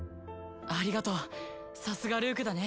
ありがとうさすがルークだね。